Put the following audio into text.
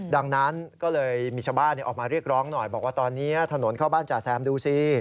ดังนั้นก็เลยมีชาวบ้านออกมาเรียกร้องหน่อยบอกว่าตอนนี้ถนนเข้าบ้านจ่าแซมดูสิ